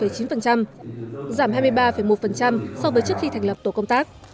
giảm hai mươi ba một so với trước khi thành lập tổ công tác